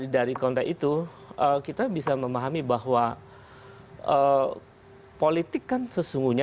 dari konteks itu kita bisa memahami bahwa politik kan sesungguhnya